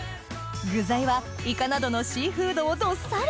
具材はイカなどのシーフードをどっさり！